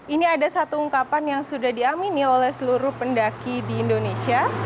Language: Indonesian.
ini ada satu ungkapan yang sudah diamini oleh seluruh pendaki di indonesia